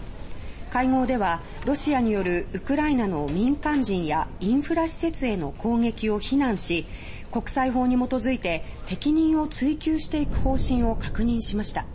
会合ではロシアによるウクライナの民間人やインフラ施設への攻撃を非難し国際法に基づいて責任を追及していく方針を確認しました。